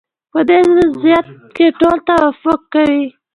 په دې وضعیت کې ټول توافق کوي.